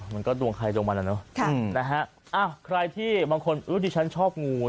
มันก็ดวงใครดวงมันอ่ะเนอะนะฮะอ้าวใครที่บางคนที่ฉันชอบงู